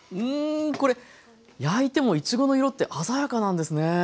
うんこれ焼いてもいちごの色って鮮やかなんですね。